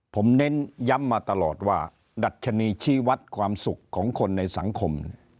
ผมเน้นย้ำมาตลอดว่าดัชนีชีวัตรความสุขของคนในสังคม